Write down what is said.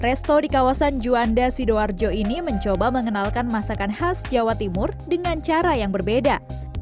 resto di kawasan juanda sidoarjo ini mencoba mengenalkan masakan khas jawa timur dengan cara yang berbeda